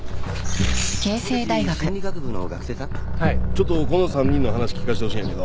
ちょっとこの３人の話聞かせてほしいんやけど。